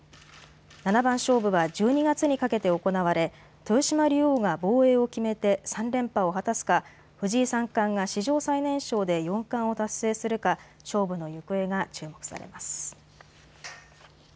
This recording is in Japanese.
七番勝負は１２月にかけて行われ豊島竜王が防衛を決めて３連覇を果たすか藤井三冠が史上最年少で四冠を達成するか勝負の行方が注目されます。